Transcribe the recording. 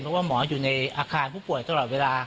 เพราะว่าหมออยู่ในอาคารผู้ป่วยตลอดเวลา